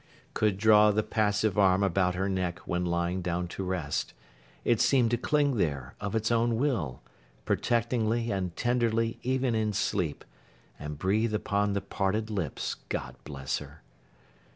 Could draw the passive arm about her neck when lying down to rest—it seemed to cling there, of its own will, protectingly and tenderly even in sleep—and breathe upon the parted lips, God bless her!